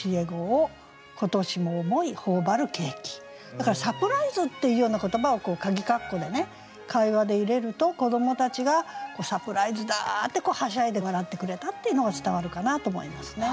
だからサプライズっていうような言葉をこうかぎ括弧でね会話で入れると子どもたちが「サプライズだ！」ってはしゃいで笑ってくれたっていうのが伝わるかなと思いますね。